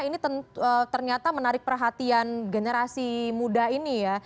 ini ternyata menarik perhatian generasi muda ini ya